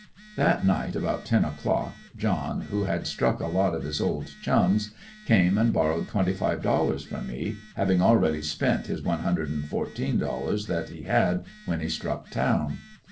That night about ten o'clock John, who had struck a lot of his old chums, came and borrowed twenty five dollars from me, having already spent his one hundred and fourteen dollars that he had when he struck town.